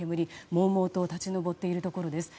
もうもうと立ち上っているところです。